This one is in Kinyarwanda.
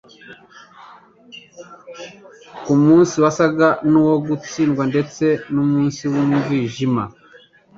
ku munsi wasaga n'nwo gutsindwa ndetse n'umunsi w'umvijima.